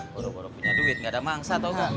boro boro punya duit gak ada mangsa tau gak